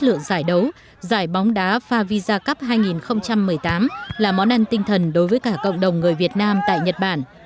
chất lượng giải đấu giải bóng đá favisa cup hai nghìn một mươi tám là món ăn tinh thần đối với cả cộng đồng người việt nam tại nhật bản